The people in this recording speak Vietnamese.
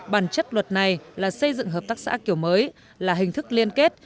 bản chất luật này là xây dựng hợp tác xã kiểu mới là hình thức liên kết